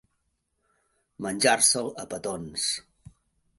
Menjar-se'l a petons.